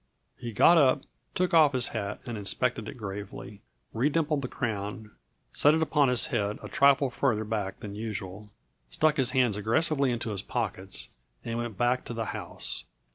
He got up, took off his hat and inspected it gravely, redimpled the crown, set it upon his head a trifle farther back than usual, stuck his hands aggressively into his pockets and went back to the house.